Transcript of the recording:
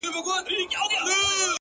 • ځان وړوکی لکه سوی راته ښکاریږي,